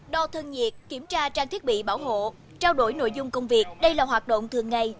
đo thân nhiệt kiểm tra trang thiết bị bảo hộ trao đổi nội dung công việc đây là hoạt động thường ngày